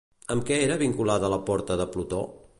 Amb què era vinculada la Porta de Plutó?